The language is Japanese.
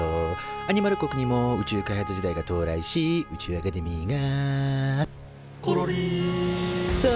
アニマル国にも宇宙開発時代が到来し宇宙アカデミーが「ころりーん」と誕生。